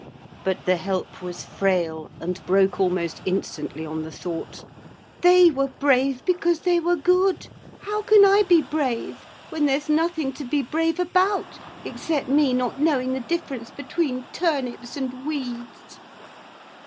But the help was frail, and broke almost instantly on the thought 'They were brave because they were good: how can I be brave when there's nothing to be brave about except me not knowing the difference between turnips and weeds?'